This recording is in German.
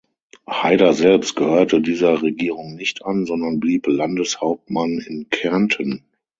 Haider selbst gehörte dieser Regierung nicht an, sondern blieb Landeshauptmann in Kärnten.